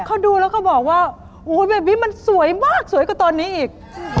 เขาดูแล้วก็บอกว่าแบบนี้มันสวยมากสวยกว่าตอนนี้อีก